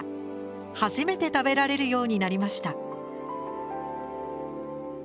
初めて食べられるようになりました。